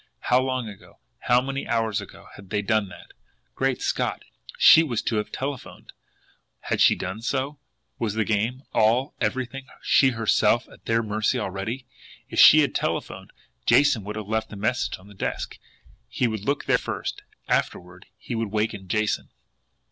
How long ago, how many hours ago, had they done that! Great Scott, SHE was to have telephoned! Had she done so? Was the game, all, everything, she herself, at their mercy already? If she had telephoned, Jason would have left a message on his desk he would look there first afterward he would waken Jason.